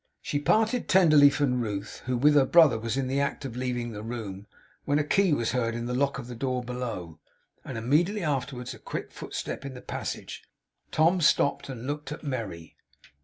She parted tenderly from Ruth, who with her brother was in the act of leaving the room, when a key was heard in the lock of the door below, and immediately afterwards a quick footstep in the passage. Tom stopped, and looked at Merry.